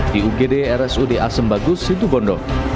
di ugd rsud asem bagus situ bondo